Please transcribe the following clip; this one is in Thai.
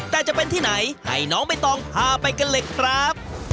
แต่จะเป็นที่ไหนให้น้องใบตองพาไปกันเลยครับ